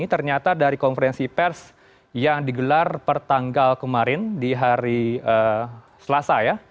ternyata dari konferensi pers yang digelar pertanggal kemarin di hari selasa ya